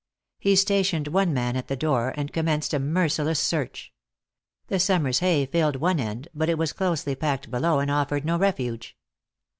He stationed one man at the door, and commenced a merciless search. The summer's hay filled one end, but it was closely packed below and offered no refuge.